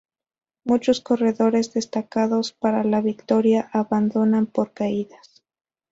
Muchos corredores destacados para la victoria abandonan por caídas.